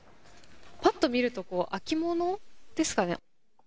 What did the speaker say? ぱっと見ると秋物ですかね。